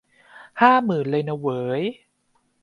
ห้าหมื่นเลยนาเหวย